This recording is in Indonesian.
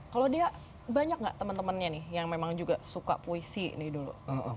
kalau dia banyak gak teman temannya nih yang memang juga suka puisi nih dulu